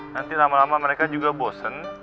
nanti lama lama mereka juga bosen